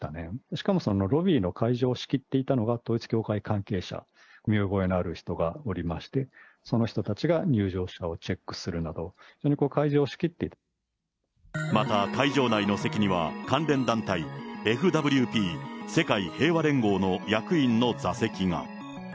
しかもそのロビーの会場を仕切っていたのが、統一教会関係者、見覚えのある人がおりまして、その人たちが入場者をチェックするなど、また、会場内の席には、関連団体、ＦＷＰ・世界平和連合の役員の座席が。